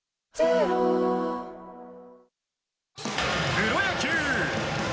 プロ野球。